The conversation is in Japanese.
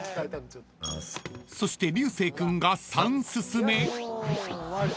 ［そして流星君が３進め］